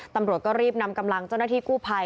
ตำรวจก็รีบนำกำลังเจ้าหน้าที่กู้ภัย